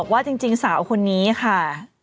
ขออีกทีอ่านอีกที